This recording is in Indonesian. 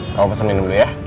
kau pesan minum dulu ya